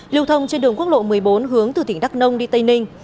lưu thông trên đường quốc lộ một mươi bốn hướng từ tỉnh đắk nông đi tây ninh